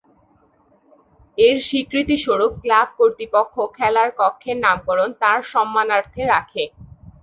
এর স্বীকৃতিস্বরূপ ক্লাব কর্তৃপক্ষ খেলার কক্ষের নামকরণ তার সম্মানার্থে রাখে।